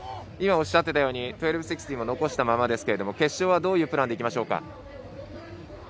今、おっしゃっていたように１２６０も残したままですけど決勝はどういうプランでいきましょうか？